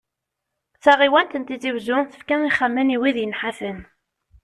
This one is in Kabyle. Taɣiwant n Tizi wezzu tefka ixxamen i wid yenḥafen.